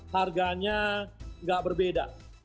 harganya tidak berbeda